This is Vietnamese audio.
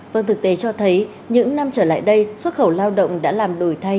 vâng thực tế cho thấy những năm trở lại đây xuất khẩu lao động đã làm đổi thay